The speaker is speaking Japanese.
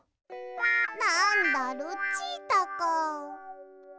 なんだルチータか。